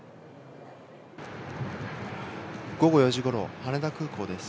午後４時ごろ、羽田空港です。